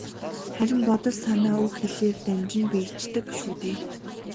Харин бодол санаа үг хэлээр дамжин биеждэг шүү дээ.